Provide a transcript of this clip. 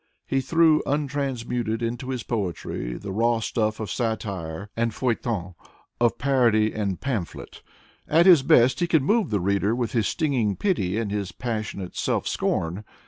He threw untransmuted into his poetry the raw stuff of satire and feuilleton, of parody and pamphlet. At his best he can move the reader with his stinging pity and his passionate self scorn.